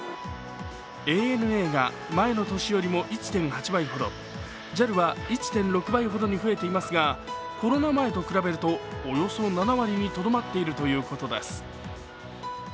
ＡＮＡが前の年よりも１．８倍ほどＪＡＬは１．６倍ほどに増えていますがコロナ前と比べるとおよそ７割にとどまっているということです。